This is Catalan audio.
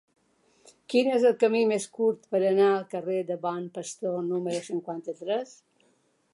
Quin és el camí més curt per anar al carrer del Bon Pastor número cinquanta-tres?